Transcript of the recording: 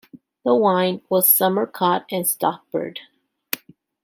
The wine was summer caught and stoppered.